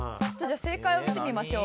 正解を見てみましょう。